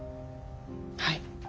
はい。